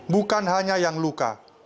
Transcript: bukan hanya yang luka